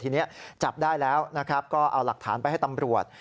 ทีนี้จับได้แล้วนะครับก็เอาหลักฐานไปให้ตำรวจ